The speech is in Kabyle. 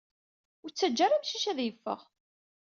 Ur ttaǧa ara amcic ad yeffeɣ